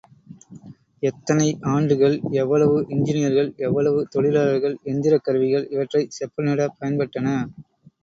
எத்தனை ஆண்டுகள் எவ்வளவு இன்ஜியர்கள் எவ்வளவு தொழிலாளர்கள் எந்திரக் கருவிகள் இவற்றைச் செப்ப னிடப் பயன்பட்டன?